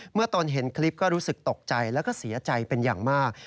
เมื่อตัวเห็นคลิปก็รู้สึกตกใจและเสียใจเป็นอย่างมาก